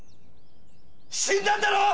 死んだんだろ！？